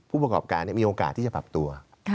ผู้ประกอบการมีโอกาสที่จะปรับตัว